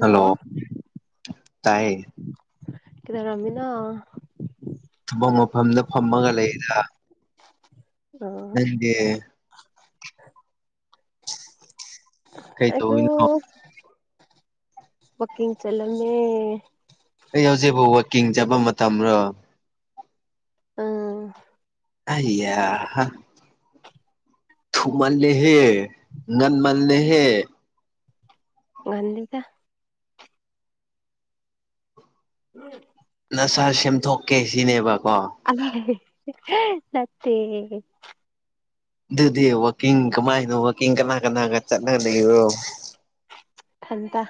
hello ꯇꯥꯏ ꯀꯩꯗꯧꯔꯝꯃꯤꯅꯣ ꯊꯕꯛ ꯃꯐꯝꯗꯥ ꯐꯝꯃꯒꯥ ꯂꯩꯔꯤꯗꯥ ꯑꯣ ꯅꯪꯗꯤ ꯀꯩ ꯑꯩꯁꯨ ꯇꯧꯔꯤꯅꯣ ꯋꯥꯛꯀꯤꯡ ꯆꯠꯂꯝꯃꯦ ꯑꯩ ꯍꯧꯖꯤꯛꯕꯨ ꯋꯥꯛꯀꯤꯡ ꯆꯠꯄ ꯃꯇꯝꯂꯣ ꯎꯝ ꯑꯌꯥ ꯍꯥ ꯊꯨ ꯃꯥꯜꯂꯦꯍꯦ ꯉꯟ ꯃꯥꯜꯂꯦꯍꯦ ꯉꯥꯟꯂꯤꯗꯥ [unintelligible] ꯅꯁꯥ ꯁꯦꯝꯗꯣꯛꯀꯦ ꯁꯤꯅꯦꯕꯀꯣ ꯅꯠꯇꯦ ꯑꯗꯨꯗꯤ ꯋꯥꯛꯀꯤꯡ ꯀꯃꯥꯏꯅꯣ ꯋꯥꯛꯀꯤꯡ ꯀꯅꯥ ꯀꯅꯥꯒꯥ ꯆꯠꯅ ꯂꯩꯔꯣ ꯊꯟꯗꯥ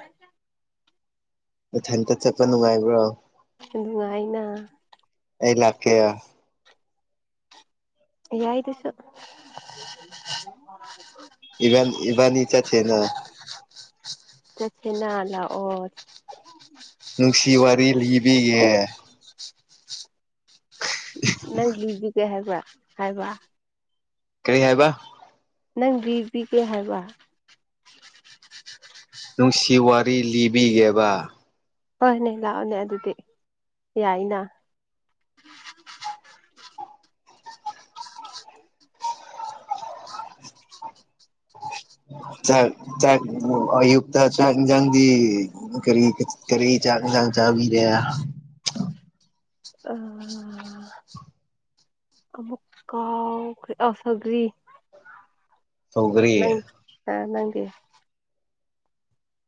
ꯅꯊꯟꯇꯥ ꯆꯠꯄ ꯅꯨꯡꯉꯥꯏꯕ꯭ꯔꯣ ꯅꯨꯡꯉꯥꯏꯅ ꯑꯩ ꯂꯥꯛꯀꯦ ꯌꯥꯏꯗꯨꯁꯨ ꯏꯕꯥ ꯏꯕꯥꯅꯤ ꯆꯥꯠꯁꯦꯅ ꯆꯠꯁꯦꯅ ꯂꯥꯛꯑꯣ ꯅꯨꯡꯁꯤ ꯋꯥꯔꯤ ꯂꯤꯕꯤꯒꯦ [inaudible] ꯅꯪ ꯂꯤꯕꯤꯒꯦ ꯍꯥꯏꯕ꯭ꯔꯥ ꯍꯥꯏꯕ ꯀꯔꯤ ꯍꯥꯏꯕ ꯅꯪ ꯂꯤꯕꯤꯒꯦ ꯍꯥꯏꯕ ꯅꯨꯡꯁꯤ ꯋꯥꯔꯤ ꯂꯤꯕꯤꯒꯦꯕ ꯍꯣꯏꯅꯦ ꯂꯥꯛꯑꯣꯅꯦ ꯑꯗꯨꯗꯤ ꯌꯥꯏꯅ ꯆꯥꯛ ꯆꯥꯛ ꯑꯌꯨꯛꯇꯥ ꯆꯥꯛ ꯏꯟꯖꯪꯗꯤ ꯑꯃꯨꯛ ꯀꯔꯤ ꯀꯔꯤ ꯆꯥꯛ ꯏꯟꯖꯡ ꯆꯥꯕꯤꯔꯦ ꯑꯥ ꯑꯃꯨꯛ ꯀꯥꯎ ꯑꯥ ꯁꯧꯒꯔꯤ ꯁꯧꯒꯔꯤ ꯅꯪ ꯅꯪꯗꯤ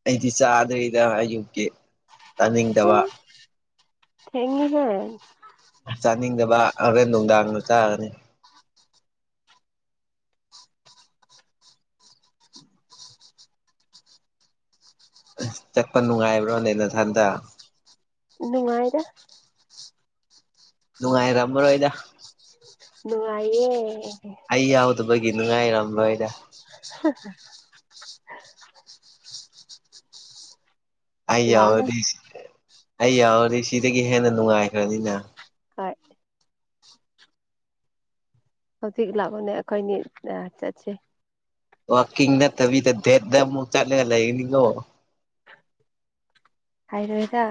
ꯑꯩꯗꯤ ꯆꯥꯗ꯭ꯔꯤꯗ ꯑꯌꯨꯛꯀꯤ ꯆꯥꯅꯤꯡꯗꯕ ꯑꯦ ꯊꯦꯡꯉꯤꯍꯦ ꯆꯥꯅꯤꯡꯗꯕ ꯍꯣꯔꯦꯟ ꯅꯨꯡꯗꯥꯡꯗ ꯆꯥꯒꯅꯤ ꯑ ꯆꯠꯄ ꯅꯨꯡꯉꯥꯏꯕ꯭ꯔꯣꯅꯦ ꯅꯊꯟꯗ ꯅꯨꯡꯉꯥꯏꯔ ꯅꯨꯡꯉꯥꯏꯔꯝꯃꯔꯣꯏꯗ ꯅꯨꯡꯉꯥꯏꯌꯦ ꯑꯩ ꯌꯥꯎꯗꯕꯒꯤ ꯅꯨꯡꯉꯥꯏꯔꯝꯂꯣꯏꯔ [unintelligible] ꯑꯩ ꯂꯥꯛꯑꯣꯅꯦ ꯌꯥꯎꯔꯗꯤ ꯑꯩ ꯌꯥꯎꯔꯗꯤ ꯁꯤꯗꯥꯒꯤ ꯍꯦꯟꯅ ꯅꯨꯡꯉꯥꯏꯈ꯭ꯔꯅꯤꯅ ꯍꯣꯏ ꯍꯧꯖꯤꯛ ꯂꯥꯛꯑꯣꯅꯦ ꯑꯈꯣꯏꯅꯤ ꯑꯥ ꯆꯠꯁꯦ ꯋꯥꯛꯀꯤꯡ ꯅꯠꯇꯕꯤꯗꯥ ꯗꯦꯠꯗꯥ ꯑꯃꯨꯛ ꯆꯠꯂꯒꯥ ꯂꯩꯒꯅꯤꯉꯣ ꯍꯥꯏꯔꯣꯏꯗꯥ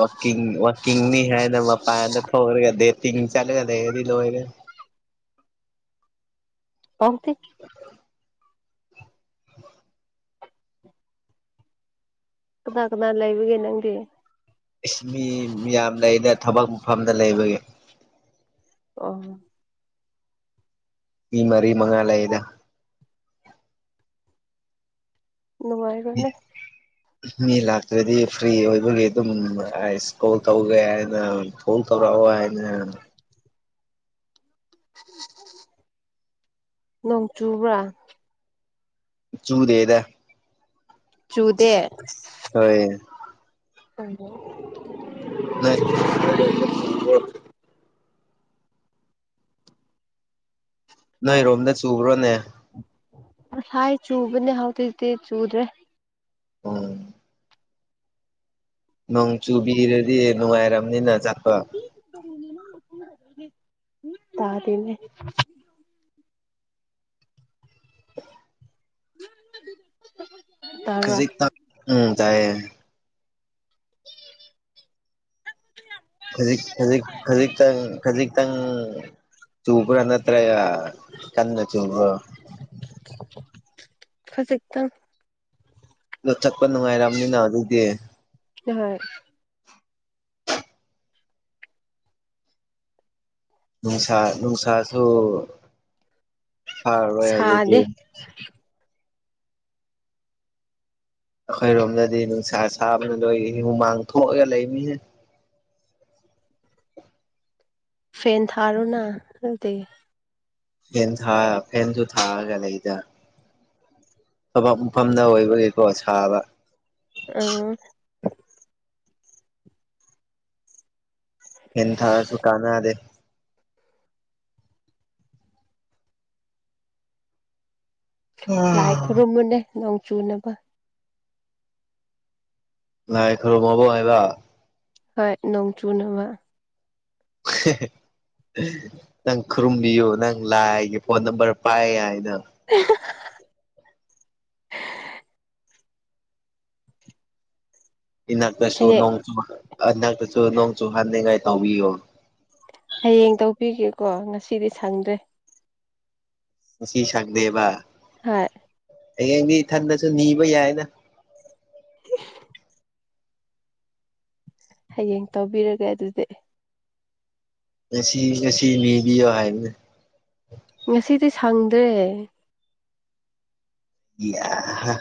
ꯋꯥꯛꯀꯤꯡ ꯋꯥꯛꯀꯤꯡꯅꯤ ꯍꯥꯏꯅ ꯃꯄꯥꯟꯗꯥ ꯊꯣꯛꯔꯒꯥ ꯗꯦꯇꯤꯡ ꯆꯠꯂꯒꯥ ꯂꯩꯔꯗꯤ ꯂꯣꯏꯔꯦ ꯄꯥꯎꯗꯦ [inaudible] ꯀꯅꯥ ꯀꯅꯥ ꯂꯩꯕꯒꯦ ꯅꯪꯗꯤ ꯃꯤ ꯃꯌꯥꯝ ꯂꯩꯅ ꯊꯕꯛ ꯃꯐꯝꯗ ꯂꯩꯕꯒꯤ ꯑꯣ ꯃꯤ ꯃꯔꯤ ꯃꯉꯥ ꯂꯩꯗ ꯅꯨꯡꯉꯥꯏꯔꯣꯅꯦ ꯃꯤ ꯂꯥꯛꯇ꯭ꯔꯗꯤ ꯐ꯭ꯔꯤ ꯑꯣꯏꯕꯒꯤ ꯑꯗꯨꯝꯥꯏꯁ ꯀꯣꯜ ꯇꯧꯒꯦ ꯍꯥꯏꯅ ꯐꯣꯜ ꯇꯧꯔꯛꯑꯣ ꯍꯥꯏꯅ ꯅꯣꯡ ꯆꯨꯕ꯭ꯔꯥ ꯆꯨꯗꯦꯗ ꯆꯨꯗꯦ ꯍꯣꯏ ꯀꯣ ꯎ ꯅꯣꯏꯔꯣꯝꯗ ꯆꯨꯕ꯭ꯔꯣꯅꯦ ꯉꯁꯥꯏ ꯆꯨꯕꯅꯦ ꯍꯧꯗꯤꯗꯤ ꯆꯨꯗ꯭ꯔꯦ ꯍ ꯅꯣꯡ ꯆꯨꯕꯤꯔꯗꯤ ꯅꯨꯡꯉꯥꯏꯔꯔꯕꯅꯤꯅ ꯆꯠꯄ ꯇꯥ ꯇꯅꯦ ꯇꯥꯕ꯭ꯔꯥ ꯖꯤꯛ ꯎꯝ ꯇꯥꯏꯌꯦ [inaudible] ꯈꯖꯤꯛ ꯈꯖꯤꯛ ꯈꯖꯤꯛꯛꯇꯪ ꯈꯖꯤꯛꯛꯇꯪ ꯆꯨꯄꯔꯅ꯭ꯔ ꯀꯟꯅ ꯆꯨꯄꯔꯣ ꯈꯖꯤꯛꯇꯪ ꯂꯨꯠꯊꯛꯄ ꯅꯨꯡꯉꯥꯏꯔꯝꯅꯤꯅ ꯑꯗꯨꯗꯤ ꯍꯣꯏ ꯅꯨꯡꯁꯥ ꯅꯨꯡꯁꯥꯁꯨ ꯁꯥꯔꯔꯣꯏ ꯍꯧꯖꯤꯛꯇꯤ ꯁꯥꯗꯦ ꯑꯩꯈꯣꯏꯔꯣꯝꯗꯗꯤ ꯅꯨꯡꯁꯥ ꯁꯥꯕꯅ ꯂꯣꯏ ꯍꯨꯃꯥꯡ ꯊꯣꯛꯑꯒ ꯂꯩꯃꯤꯍꯦ ꯐꯦꯟ ꯊꯥꯔꯨꯅ ꯑꯗꯨꯗꯤ ꯐꯦꯟ ꯊꯥ ꯐꯦꯟꯁꯨ ꯊꯥꯔꯒ ꯂꯩꯗ ꯊꯕꯛꯛ ꯃꯐꯝꯗ ꯑꯣꯏꯕꯒꯤ ꯄꯣꯠ ꯁꯥꯕ ꯑ ꯍꯟ ꯊꯥꯁꯨ ꯀꯥꯟꯅ ꯑꯗꯦ ꯂꯥꯏ ꯈꯨꯔꯨꯝꯃꯨꯅꯦ ꯅꯣꯡ ꯆꯨꯅꯕ ꯉꯥꯏ ꯈꯔꯣ ꯃꯕꯣ ꯍꯥꯏꯕ ꯍꯣꯏ ꯅꯣꯡ ꯆꯨꯅꯕ [inaudible] ꯅꯪ ꯈꯨꯔꯨꯝꯕꯤꯌꯨ ꯅꯪ ꯂꯥꯏꯒꯤ ꯐꯣꯟ ꯅꯝꯕꯔ ꯄꯥꯏ ꯍꯥꯏꯅ [inaudible] ꯏꯅꯥꯛꯇꯁꯨ ꯍꯌꯦꯡ ꯅꯣꯡꯆ ꯏꯟꯛꯇꯁꯨ ꯅꯣꯡ ꯆꯨꯍꯅꯤꯡꯉꯥꯏ ꯇꯧꯕꯤꯌꯣ ꯍꯌꯦꯡ ꯇꯧꯕꯤꯒꯦꯀꯣ ꯉꯁꯤꯗꯤ ꯁꯪꯗ꯭ꯔꯦ ꯈꯨꯁꯤ ꯁꯛꯗꯕ ꯍꯣꯏ ꯍꯌꯦꯡꯗꯤ ꯏꯊꯟꯗꯁꯨ ꯅꯤꯕ ꯌꯥꯏꯅ ꯍꯌꯦꯡ ꯇꯧꯕꯤꯔꯒꯦ ꯑꯗꯨꯗꯤ ꯉꯁꯤ ꯉꯁꯤ ꯅꯤꯕꯤꯌꯣ ꯍꯥꯏꯕꯅꯦ ꯉꯁꯤꯗꯤ ꯁꯪꯗ꯭ꯔꯦ ꯌꯥꯍꯥ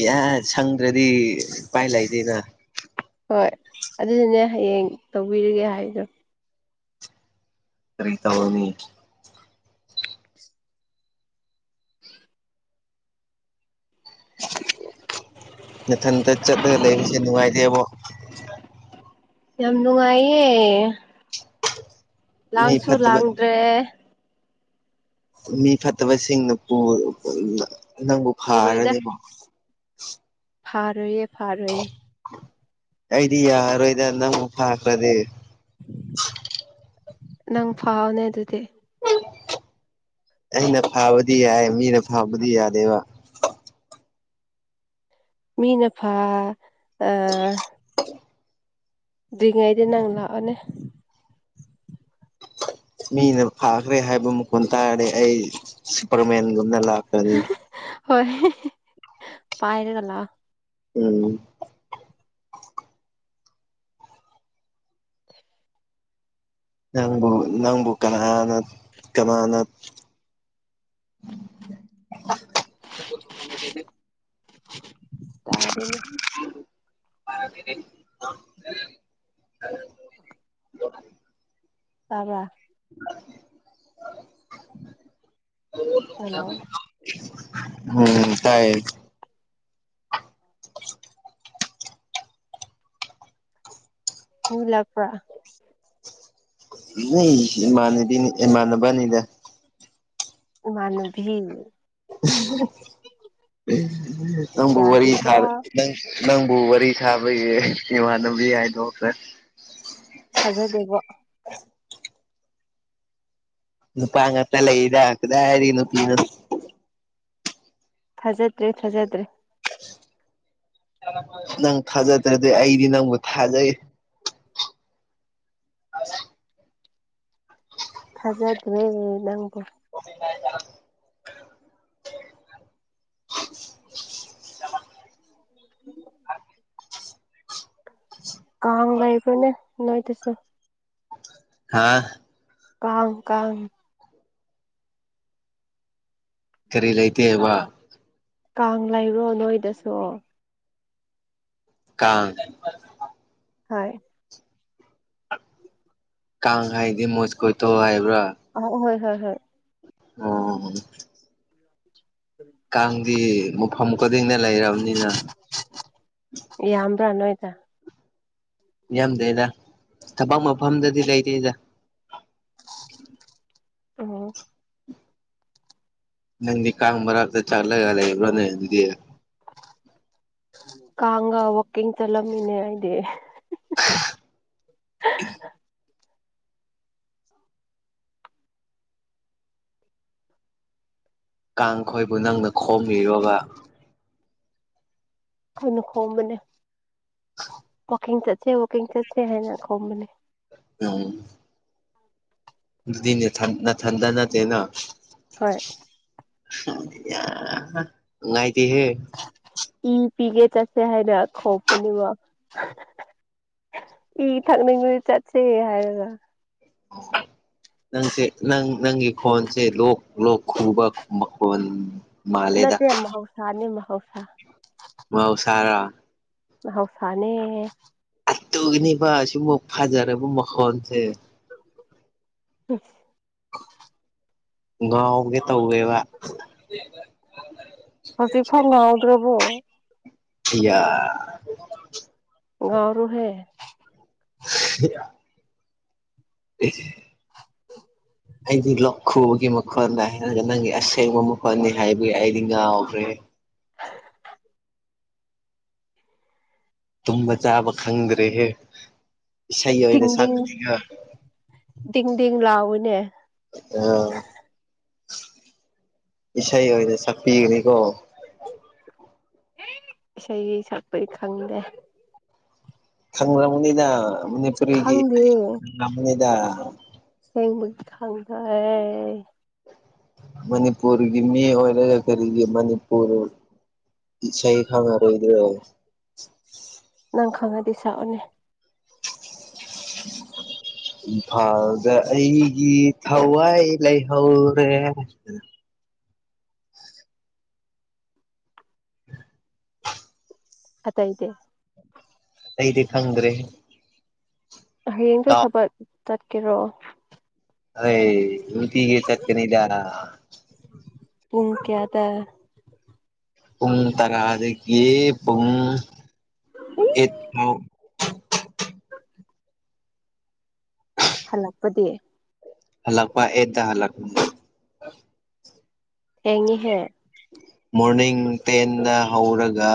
ꯏ ꯁꯪꯗ꯭ꯔꯗꯤ ꯏꯄꯥꯏ ꯂꯩꯗꯦꯅ ꯍꯣꯏ ꯑꯗꯨꯗꯨꯅꯦ ꯍꯌꯦꯡ ꯇꯧꯕꯤꯔꯒꯦ ꯍꯥꯏꯗꯣ ꯇꯔꯤ ꯇꯧꯕꯅꯤ [inaudible] ꯃꯊꯟꯇ ꯆꯠꯂꯒ ꯂꯩꯕꯁꯦ ꯅꯨꯡꯉꯥꯏꯇꯦꯕ ꯌꯥꯝ ꯅꯨꯡꯉꯥꯏꯌꯦꯦ ꯃꯤ ꯂꯥꯡꯁꯨ ꯐꯠꯇꯕ ꯂꯥꯡꯗ꯭ꯔꯦ ꯃꯤ ꯐꯠꯇꯕꯁꯤꯡꯅ ꯅꯪꯕꯨ ꯐꯔꯅꯦꯕꯣ ꯐꯔꯣꯏꯏꯌꯦ ꯐꯥꯔꯣꯏꯏꯌꯦꯦ ꯑꯩꯗꯤ ꯌꯥꯔꯔꯣꯏꯗ ꯅꯪ ꯑꯃꯨꯛ ꯐꯥꯈ꯭ꯔꯗꯤ ꯅꯪ ꯐꯥꯎꯅꯦ ꯑꯗꯨꯗꯤ ꯑꯩꯅ ꯐꯕꯗꯤ ꯌꯥꯏ ꯃꯤꯅ ꯐꯕꯗꯤ ꯌꯥꯗꯦꯕ ꯃꯤꯅ ꯐꯥ ꯑ ꯔꯤꯉꯥꯏꯗꯅ ꯂꯥꯛꯑꯣꯅꯅꯦ ꯃꯤꯅ ꯐꯥꯈ꯭ꯔꯦ ꯍꯥꯏꯕ ꯃꯈꯣꯟ ꯇꯥꯔꯦ ꯑꯩ ꯁꯨꯄꯔꯃꯦꯟꯒꯨꯝꯅ ꯂꯥꯛ ꯍꯣꯏ ꯄꯥꯏꯔꯒꯂ ꯎꯝ ꯅꯪꯕꯨ ꯅꯪꯕꯨ ꯀꯅꯥꯅ ꯀꯅꯥꯅ ꯗꯤ ꯇꯥꯗꯅꯤ ꯑ ꯇꯔꯦꯥ ꯍꯜꯂꯣ [inaudible] ꯎꯝ ꯇꯥꯏ [inaudible] ꯃꯂꯥꯄ ꯅ ꯃꯥꯟꯕꯤꯅꯤ ꯃꯥꯟꯕꯅꯤꯗ ꯎꯃꯅꯕꯤ ꯅꯪꯕꯨ ꯋꯥꯔꯤꯔꯤ ꯌꯥꯗꯦꯀꯣ ꯊꯔ ꯅꯪ ꯅꯪꯕꯨ ꯋꯥꯔꯤ ꯁꯥꯕꯒꯤ ꯏꯃꯥꯟꯅꯕꯤ ꯍꯥꯏꯗꯣꯈ꯭ꯔꯦ ꯊꯥꯖꯗꯕ ꯅꯨꯄꯥꯉ ꯇ ꯂꯩꯗ ꯀꯗ ꯍꯥꯏꯔꯤ ꯅꯨꯄꯤꯤ ꯊꯥꯖꯗ꯭ꯔꯦ ꯊꯥꯖꯗ꯭ꯔꯦ ꯅꯪ ꯊꯥꯖꯗ꯭ꯔꯗꯤ ꯑꯩꯗꯤ ꯅꯪꯕꯨ ꯊꯥꯖꯩ ꯑ ꯊꯖꯗꯨꯔ ꯅꯪꯕꯨꯣ ꯀꯥꯡ ꯂꯩꯕ꯭ꯔꯣꯅꯦ ꯅꯣꯏꯗꯨꯁꯨ ꯍꯥꯥ ꯀꯥꯡ ꯀꯥꯡ ꯀꯔꯤ ꯂꯩꯇꯦꯕ ꯀꯥꯡ ꯂꯩꯕ꯭ꯔꯣ ꯅꯣꯏꯗꯁꯨ ꯀꯥꯡ ꯍꯣꯏ ꯀꯥꯡ ꯍꯥꯏꯗꯤ ꯃꯣꯁꯀꯤꯇꯣ ꯍꯥꯏꯕ꯭ꯔꯥ ꯑ ꯍꯣꯏ ꯍꯣꯏ ꯍꯣꯏ ꯑꯣ [unintelligible] ꯎ ꯀꯥꯡꯗꯤ ꯃꯐꯝ ꯈꯨꯗꯤꯡꯗ ꯂꯩꯔꯕꯅꯤꯅ ꯌꯦ ꯌꯥꯝ꯭ꯔꯥꯅꯣꯣꯏꯗ ꯌꯥꯝꯗ꯭ꯔꯦꯗ ꯊꯕꯛ ꯃꯐꯝꯗꯗꯤ ꯂꯩꯇꯦꯗ ꯑꯣ ꯅꯪꯗꯤ ꯀꯥꯡ ꯃꯔꯛꯇ ꯆꯥꯠꯂꯒ ꯂꯩꯕ꯭ꯔꯅꯦ ꯑꯗꯨꯗꯤ ꯀꯥꯡꯒ ꯋꯥꯀꯤꯡ ꯆꯠꯂꯝꯃꯤꯅꯦ ꯑꯩꯗꯤ [unintelligible] ꯀꯥꯡꯈꯣꯏꯕꯨ ꯅꯪꯅ ꯈꯣꯝꯃꯤꯔꯣꯕ ꯑꯩꯅ ꯈꯣꯝꯕꯅꯦ ꯋꯥꯀꯤꯡ ꯆꯠꯁꯦ ꯋꯥꯀꯤꯡ ꯆꯠꯁꯦ ꯍꯥꯏꯅ ꯈꯣꯝꯕꯅꯦ [unintelligible] ꯑꯗꯨꯗꯤ ꯅꯊꯟ ꯅꯊꯟꯇ ꯅꯠꯇꯦꯅ ꯍꯣꯏ ꯅꯨꯡꯉꯥꯢꯇꯦꯍꯦ ꯏ ꯄꯤꯒꯦ ꯆꯠꯁꯦ ꯍꯥꯏꯅ ꯈꯣꯝꯕꯅꯦꯕ ꯏ ꯊꯛꯅꯤꯡꯉꯗꯤ ꯆꯠꯁꯦ ꯍꯥꯏꯔꯒ ꯑꯣ ꯅꯪꯁꯦ ꯅꯪ ꯅꯪꯒꯤ ꯈꯣꯟꯁꯦ ꯂꯣꯛ ꯂꯣꯛ ꯈꯨꯕ ꯃꯈꯣꯟ ꯃꯥꯜꯂꯦꯗ ꯅꯠꯇꯦ ꯃꯍꯧꯁꯥꯅꯤ ꯃꯍꯧꯁꯥ ꯃꯍꯧꯁꯥꯔꯥ ꯃꯍꯧꯁꯥꯅꯦ ꯇꯨꯅꯤꯕ ꯁꯤꯒꯨꯝꯕ ꯐꯖꯔꯕ ꯃꯈꯣꯟꯁꯦ [unintelligible] ꯉꯥꯎꯒꯦ ꯇꯧꯋꯦꯕ [unintelligible] [unintelligible] ꯍꯧꯖꯤꯛꯐꯥꯎ ꯉꯥꯎꯗ꯭ꯔꯕꯣ ꯑꯌꯥ ꯉꯥꯎꯔꯣꯍꯦ [unintelligible] [unintelligible] ꯍꯥꯢꯖꯤꯜꯂꯣ ꯈꯨꯕꯒꯤ ꯃꯈꯣꯟꯗ ꯍꯥꯏꯔꯒ ꯅꯪꯒꯤ ꯑꯁꯦꯡꯕ ꯃꯈꯣꯟꯅꯤ ꯍꯥꯏꯕꯒꯤ ꯑꯩꯗꯤ ꯉꯥꯎꯈ꯭ꯔꯦ ꯇꯨꯝꯕ ꯆꯥꯕ ꯈꯪꯗ꯭ꯔꯦꯍꯦ ꯏꯁꯩ ꯑꯣꯏꯅ ꯗꯤꯡ ꯗꯤꯡ ꯁꯛꯑꯣ ꯗꯤꯡ ꯗꯤꯡ ꯂꯥꯎꯋꯤꯅꯦ ꯑꯥ ꯏꯁꯩ ꯑꯣꯏꯅ ꯁꯛꯄꯤꯒꯅꯤꯀꯣ ꯏꯁꯩ ꯁꯛꯄꯩ ꯈꯪꯗꯦ ꯈꯪꯔꯝꯅꯤꯅ ꯃꯅꯤꯄꯨꯔꯤꯒꯤ ꯈꯪꯗꯦ [unintelligible] ꯇꯝꯕꯅꯤꯗ ꯑꯁꯦꯡꯕꯒꯤ ꯈꯪꯖꯔꯦ ꯃꯅꯤꯄꯨꯔꯒꯤ ꯃꯤ ꯑꯣꯏꯔꯒ ꯀꯔꯤꯒꯤ ꯃꯅꯤꯄꯨꯔ ꯏꯁꯩ ꯈꯪꯉꯔꯣꯏꯗ꯭ꯔꯣ ꯅꯪ ꯈꯪꯉꯗꯤ ꯁꯥꯛꯑꯣꯅꯦ [inaudible] ꯏꯝꯐꯥꯜꯗ ꯑꯩꯒꯤ ꯊꯋꯥꯏ ꯂꯩꯍꯧꯔꯦ ꯑꯇꯩꯗꯤ ꯑꯩꯗꯤ ꯈꯪꯗ꯭ꯔꯦꯍꯦ ꯍꯌꯦꯡꯗꯣ ꯁꯥꯕꯠ ꯆꯠꯀꯦꯔꯣ ꯍꯣꯏ ꯅꯨꯡꯇꯤꯒꯤ ꯆꯠꯀꯅꯤꯗ ꯄꯨꯡ ꯀꯌꯥꯗ ꯄꯨꯡ ꯇꯔꯥꯗꯒꯤ ꯄꯨꯡ ꯑꯦꯠ ꯐꯥꯎ ꯍꯜꯂꯛꯄꯗꯤ ꯍꯜꯂꯛꯄ ꯑꯦꯠꯇ ꯍꯜꯂꯛꯄꯅꯤ ꯊꯦꯡꯉꯦꯍꯦ ꯃꯣꯔꯅꯤꯡ ꯇꯦꯟꯗ ꯍꯧꯔꯒ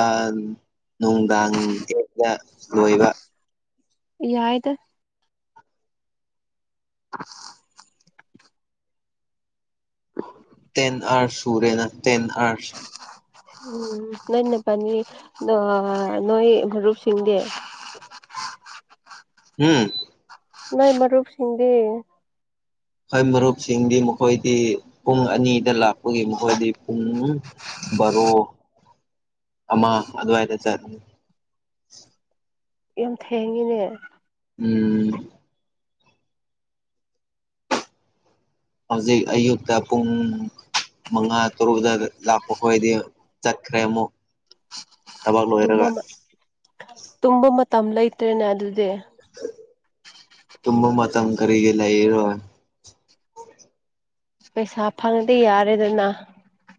ꯅꯨꯡꯗꯥꯡ ꯑꯦꯠꯗ ꯂꯣꯏꯕ ꯌꯥꯏꯗ ꯂꯧꯁꯤꯟꯕ ꯉꯝꯗꯕ ꯇꯦꯟ ꯑꯥꯔꯁ ꯁꯨꯔꯦꯅ ꯇꯦꯟ ꯑꯥꯔꯁ ꯎꯝ ꯅꯣꯏꯅ ꯄꯟꯅꯤ ꯅꯣꯑ ꯅꯣꯏ ꯃꯔꯨꯞꯁꯤꯡꯗꯤ ꯎꯝ ꯅꯣꯏ ꯃꯔꯨꯞꯁꯤꯡꯗꯤ ꯑꯩꯈꯣꯏ ꯃꯔꯨꯞꯁꯤꯡꯗꯤ ꯃꯈꯣꯏꯗꯤ ꯄꯨꯡ ꯑꯅꯤꯗ ꯂꯥꯛꯄꯒꯤ ꯃꯈꯣꯏꯗꯤ ꯄꯨꯡ ꯕꯥꯔꯣ ꯑꯃ ꯑꯗꯨꯋꯥꯏꯗ ꯆꯠꯅꯤ ꯌꯥꯝ ꯊꯦꯡꯉꯤꯅꯦ ꯎꯝ ꯍꯧꯖꯤꯛ ꯑꯌꯨꯛꯇ ꯄꯨꯡ ꯃꯉꯥ ꯇꯔꯨꯛ ꯑꯗꯨꯋꯥꯏꯗ ꯂꯥꯛꯄ ꯈꯣꯏꯗꯤ ꯆꯠꯈ꯭ꯔꯦ ꯑꯃꯨꯛ ꯊꯕꯛ ꯇꯨꯝꯕ ꯂꯣꯏꯔꯒ ꯃ ꯇꯨꯝꯕ ꯃꯇꯝ ꯂꯩꯇ꯭ꯔꯦꯅꯦ ꯑꯗꯨꯗꯤ ꯇꯨꯝꯕ ꯃꯇꯝ ꯀꯔꯤꯒꯤ ꯂꯩꯔꯣꯏ ꯄꯩꯁꯥ ꯐꯪꯉꯗꯤ ꯌꯥꯔꯦꯗꯅ